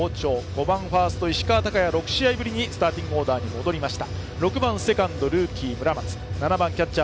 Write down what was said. ５番ファースト、石川昂弥は６試合ぶりにスタメンに戻りました。